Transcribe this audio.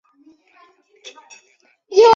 海南罗汉松为罗汉松科罗汉松属的植物。